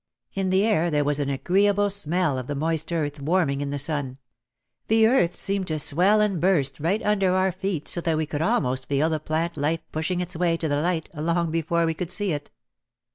In the air there was an agreeable smell of the moist earth warming in the sun. The earth seemed to swell and burst right under our feet so that we could almost feel the plant life push ing its way to the light long before we could see it.